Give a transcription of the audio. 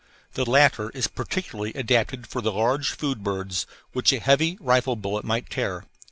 The latter is particularly adapted for the large food birds, which a heavy rifle bullet might tear.